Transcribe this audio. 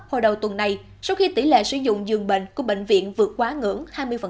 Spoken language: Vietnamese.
hồi đầu tuần này sau khi tỷ lệ sử dụng dường bệnh của bệnh viện vượt quá ngưỡng hai mươi